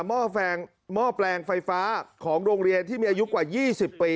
หม้อแปลงไฟฟ้าของโรงเรียนที่มีอายุกว่า๒๐ปี